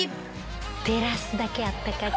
照らすだけあったかく。